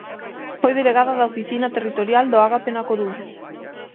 Foi delegada da Oficina Territorial do Ágape na Coruña.